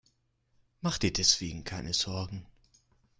Mach dir deswegen keine Sorgen.